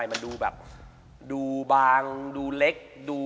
มันดูแบบดูบางดูเล็กดู